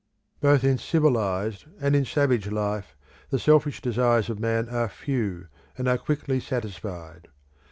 Both in civilised and in savage life the selfish desires of man are few, and are quickly satisfied.